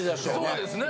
そうですね。